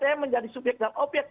bpsdm menjadi subjek dan objek dari